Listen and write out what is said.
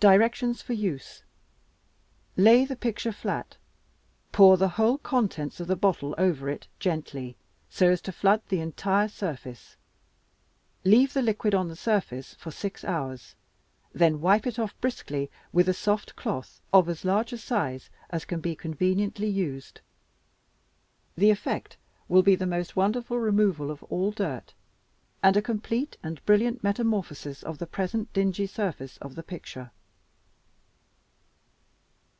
Directions for use: Lay the picture flat, pour the whole contents of the bottle over it gently, so as to flood the entire surface; leave the liquid on the surface for six hours, then wipe it off briskly with a soft cloth of as large a size as can be conveniently used. The effect will be the most wonderful removal of all dirt, and a complete and brilliant metamorphosis of the present dingy surface of the picture."